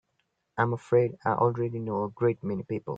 I'm afraid I already know a great many people.